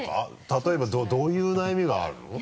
例えばどういう悩みがあるの？